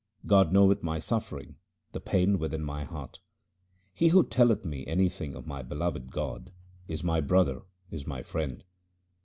God knoweth my suffering, the pain within my heart. He who telleth me anything of my beloved God, is my brother, is my friend.